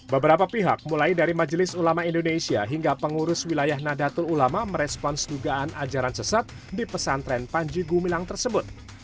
beberapa pihak mulai dari majelis ulama indonesia hingga pengurus wilayah nadatul ulama merespons dugaan ajaran sesat di pesantren panji gumilang tersebut